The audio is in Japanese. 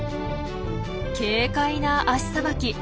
軽快な足さばき。